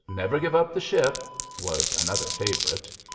"Never give up the ship!" was another favorite.